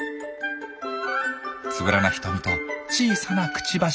つぶらな瞳と小さなくちばし。